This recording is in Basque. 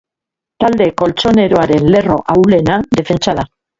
Talde koltxoneroaren lerro ahulena defentsa da.